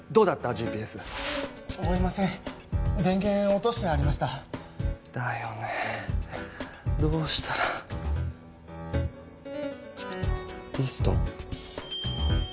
ＧＰＳ追えません電源落としてありましただよねどうしたらリスト？